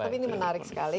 tapi ini menarik sekali